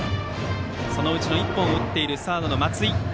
そのうちの１本を打っているサードの松井。